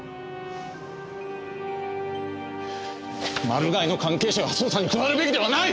マルガイの関係者は捜査に加わるべきではない！